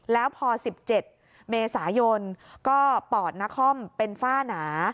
แล้วพอ๑๗เมษายนก็ปอดนครเป็นฝ้าหนา